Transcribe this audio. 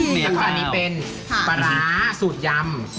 แล้วก็อันนี้เป็นปลาร้าสูตรยำ